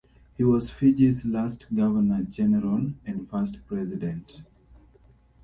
He was Fiji's last Governor-General and first President.